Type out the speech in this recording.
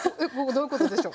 どういうことでしょう？